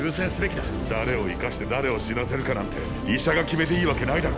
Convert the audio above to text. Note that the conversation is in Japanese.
誰を生かして誰を死なせるかなんて医者が決めていいわけないだろ。